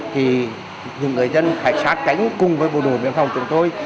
thì những người dân phải sát cánh cùng với bộ đội biên phòng chúng tôi